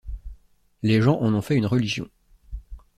Les gens en ont fait une religion.